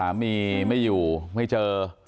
สามีไม่อยู่ไม่เจอ